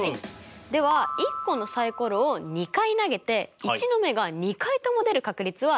では１個のサイコロを２回投げて１の目が２回とも出る確率はいくつになると思いますか？